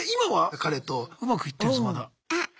彼とうまくいってるんです？